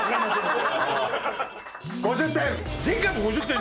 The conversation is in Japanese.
５０点！